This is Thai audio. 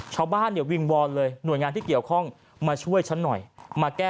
จริงนะฮะ